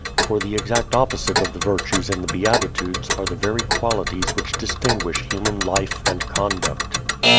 For the exact opposite of the virtues in the Beatitudes are the very qualities which distinguish human life and conduct.